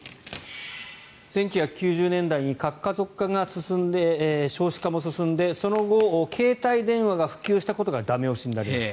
１９９０年代に核家族化が進んで少子化も進んでその後携帯電話が普及したことが駄目押しになりました。